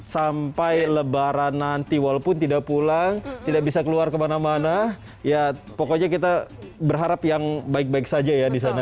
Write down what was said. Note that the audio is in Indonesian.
sampai lebaran nanti walaupun tidak pulang tidak bisa keluar kemana mana ya pokoknya kita berharap yang baik baik saja ya di sana